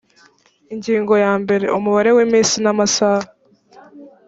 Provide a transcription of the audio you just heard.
ingingo ya mbere umubare w’iminsi n’amasaha